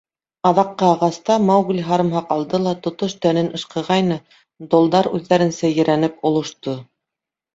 Аҙаҡҡы ағаста Маугли һарымһаҡ алды ла тотош тәнен ышҡығайны, долдар үҙҙәренсә ерәнеп олошто.